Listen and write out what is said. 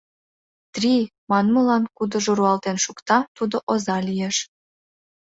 Три!» манмылан кудыжо руалтен шукта — тудо оза лиеш.